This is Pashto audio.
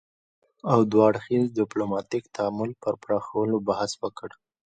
او دوه اړخیز ديپلوماتيک تعامل پر پراخولو بحث وکړ